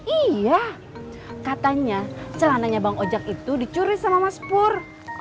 iya katanya celananya bang ojek itu dicuri sama mas pur